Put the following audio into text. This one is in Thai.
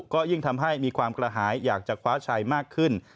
ก็ยิ่งทำให้มีความกระหายอยากจะคว้าชัยมากขึ้น